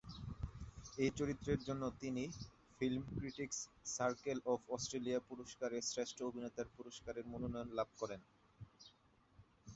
এই চরিত্রের জন্য তিনি film critics circle of Australia পুরস্কার এ শ্রেষ্ঠ অভিনেতার পুরস্কারের মনোনয়ন লাভ করেন।